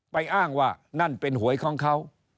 อ้างว่านั่นเป็นหวยของเขา